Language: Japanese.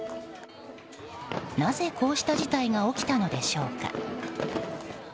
なぜ、こうした事態が起きたのでしょうか。